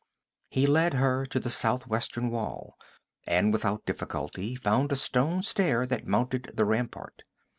He led her to the southwestern wall, and without difficulty found a stone stair that mounted the rampart.